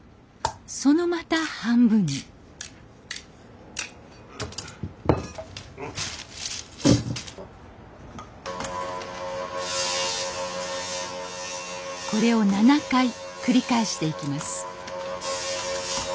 そのまた半分にこれを７回繰り返していきます